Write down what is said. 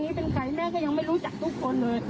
นี่เป็นใครแม่ก็ยังไม่รู้จักทุกคนเลย